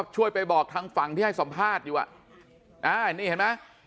ช่วยไปบอกทางฝั่งที่ให้สำภาษณ์อยู่